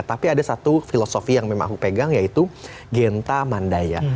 tapi ada satu filosofi yang memang aku pegang yaitu genta mandaya